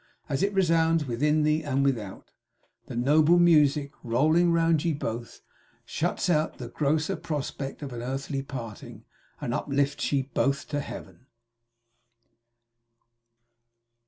As it resounds within thee and without, the noble music, rolling round ye both, shuts out the grosser prospect of an earthly parting, and uplifts ye both to Heaven!